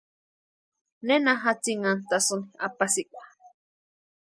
¿Nena jatsinhantasïni apasikwa?